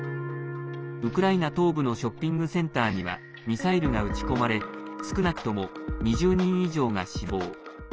ウクライナ東部のショッピングセンターにはミサイルが撃ち込まれ少なくとも２０人以上が死亡。